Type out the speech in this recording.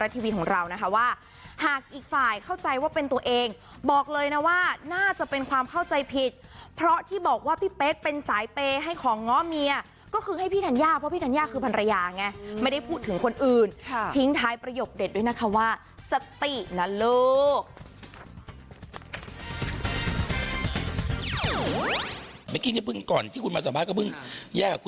ที่บอกว่าพี่เป๊กเป็นสายเปยให้ของง้อเมียก็คือให้พี่ธัญญาเพราะพี่ธัญญาคือภรรยาไงไม่ได้พูดถึงคนอื่นทิ้งท้ายประโยคเด็ดด้วยนะคะว่าสตินะลูก